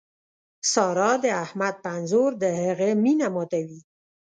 سارا د احمد په انځور د هغه مینه ماتوي.